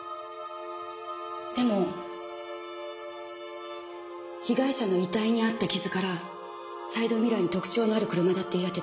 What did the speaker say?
でも被害者の遺体にあった傷からサイドミラーに特徴のある車だって言い当てて。